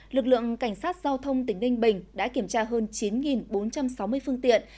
lực lượng cảnh sát giao thông tỉnh ninh bình đã kiểm tra hơn chín bốn trăm sáu mươi phương tiện